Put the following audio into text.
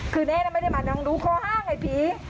คือแนนไม่ได้มาน้องดูข้อห้าไงพี่